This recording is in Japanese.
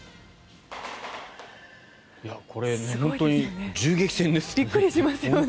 これ、本当に銃撃戦ですね。